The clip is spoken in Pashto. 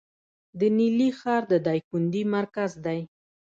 د نیلي ښار د دایکنډي مرکز دی